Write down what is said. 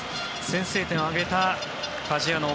先制点を挙げたファジアーノ